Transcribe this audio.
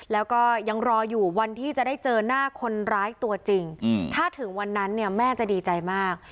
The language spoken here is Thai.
แล้วก็ยังรออยู่วันที่จะได้เจอหน้าคนร้ายตัวจริงถ้าถึงวันนั้นเนี่ยแม่จะดีใจมาก